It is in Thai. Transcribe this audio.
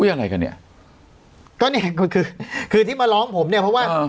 ยังไงกันเนี่ยก็เนี่ยก็คือคือที่มาร้องผมเนี่ยเพราะว่า